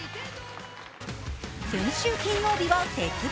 先週金曜日は節分。